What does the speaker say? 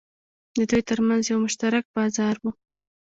د دوی ترمنځ یو مشترک بازار و.